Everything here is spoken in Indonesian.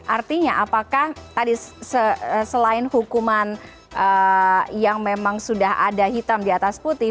artinya apakah tadi selain hukuman yang memang sudah ada hitam di atas putih